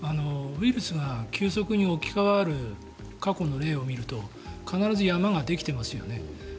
ウイルスが急速に置き換わる過去の例を見てみると必ず山ができていますよね。